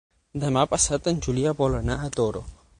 Demà passat en Julià vol anar al Toro.